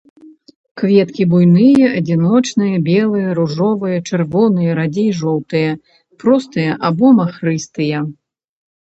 Кветкі буйныя, адзіночныя, белыя, ружовыя, чырвоныя, радзей жоўтыя, простыя або махрыстыя.